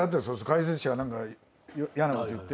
解説者が何か嫌なことを言って。